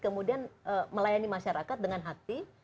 kemudian melayani masyarakat dengan hati